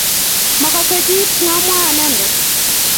Mekase kiit ne amwai anendet